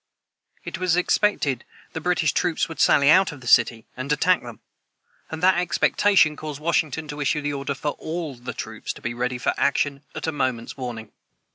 It was expected the British troops would sally out of the city and attack them, and that expectation caused Washington to issue the order for all the troops to be ready for action at a moment's warning.